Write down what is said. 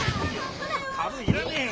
カブいらねえよ。